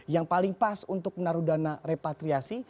yang paling pas untuk menaruh dana repatriasi